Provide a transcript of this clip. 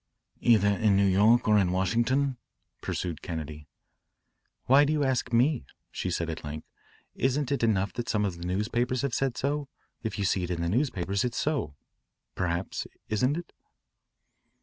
"Either in New York or in Washington," pursued Kennedy. "Why do you ask me?" she said at length. "Isn't it enough that some of the newspapers have said so? If you see it in the newspapers, it's so perhaps isn't it?"